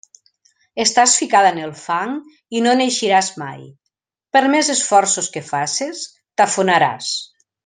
Estàs ficada en el fang i no n'eixiràs mai; per més esforços que faces, t'afonaràs.